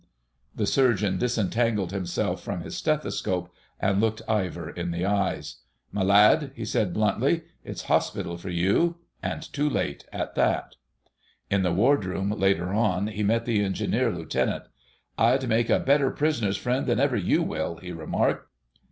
The Surgeon disentangled himself from his stethoscope and looked Ivor in the eyes. "My lad," he said bluntly, "it's Hospital for you—and too late at that." In the Wardroom later on he met the Engineer Lieutenant. "I'd make a better Prisoner's Friend than ever you will," he remarked.